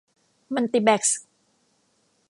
มัลติแบกซ์